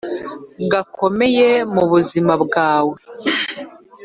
gakomeye mu buzima bwawe!